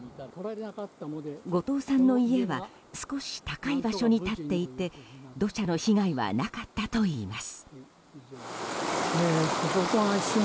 後藤さんの家は少し高い場所に立っていて土砂の被害はなかったといいます。